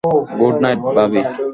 Good night, ভাবি!